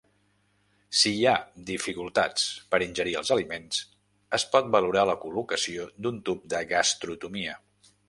Si hi ha dificultats per ingerir els aliments, es pot valorar la col·locació d'un tub de gastrostomia.